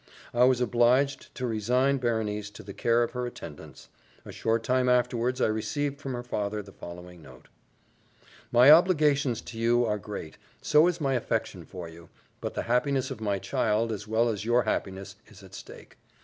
I was obliged to resign Berenice to the care of her attendants. A short time afterwards I received from her father the following note: "My obligations to you are great, so is my affection for you; but the happiness of my child, as well as your happiness, is at stake.